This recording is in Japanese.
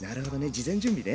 事前準備ね。